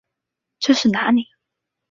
这是哪里？